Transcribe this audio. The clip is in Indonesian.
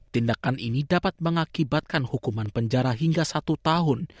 tindakan ini dapat mengakibatkan hukuman penjara hingga satu tahun